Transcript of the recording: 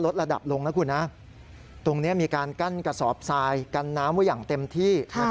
ตรงนี้มีการกั้นกระสอบทรายกันน้ำอย่างเต็มที่